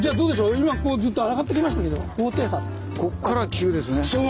今ずっと上がってきましたけど高低差。